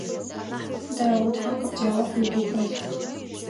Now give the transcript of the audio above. Дэгъу, тхьэм къыбдегъэхъу уигухэлъ!